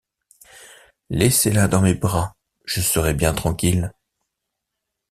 Laissez-la dans mes bras, je serai bien tranquille.